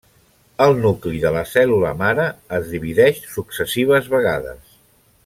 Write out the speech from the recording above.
El nucli de la cèl·lula mare es divideix successives vegades.